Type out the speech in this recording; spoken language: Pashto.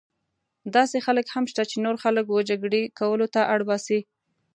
داسې خلک هم شته چې نور خلک وه جګړې کولو ته اړ باسي.